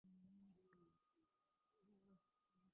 আদালত আপিল নামঞ্জুর করেছে।